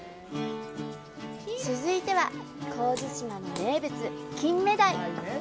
続いては、神津島の名物、キンメダイ。